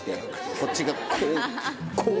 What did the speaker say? こっち側こう！